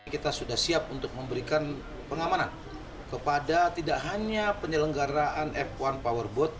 kita sudah siap untuk memberikan pengamanan kepada tidak hanya penyelenggaraan f satu powerboat